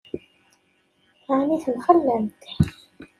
Ɛni temxellemt?